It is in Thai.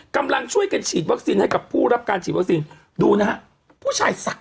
กำลังช่วยกันฉีดวัคซินให้กับผู้รับการฉีดวัคซินกำลังช่วยกันฉีดวัคซินให้กับผู้รับการฉีดวัคซิน